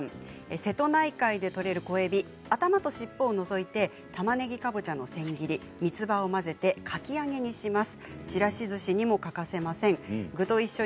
瀬戸内海で取れる小えび頭と尻尾を除いてたまねぎかぼちゃの千切りみつばを混ぜてかき揚げにします。